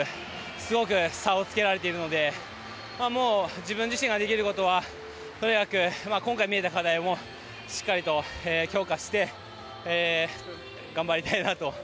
すごく差をつけられているのでもう自分自身ができることはとにかく、今回見えた課題をしっかりと強化して頑張りたいなと。